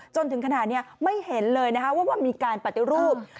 จนถึงขนาดนี้ไม่เห็นเลยว่ามีการปฏิรูป